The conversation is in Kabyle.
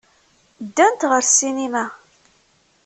Ddant ɣer ssinima.